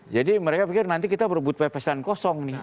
jadi mereka pikir nanti kita merebut pepesan kosong nih